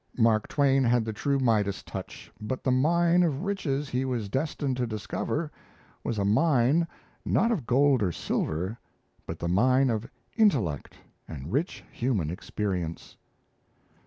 Mark Twain had the true Midas touch; but the mine of riches he was destined to discover was a mine, not of gold or silver, but the mine of intellect and rich human experience.